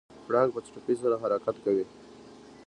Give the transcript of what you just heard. پړانګ په چټکۍ سره حرکت کوي.